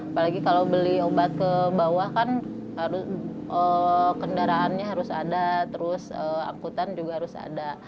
apalagi kalau beli obat ke bawah kan harus kendaraannya harus ada terus angkutan juga harus ada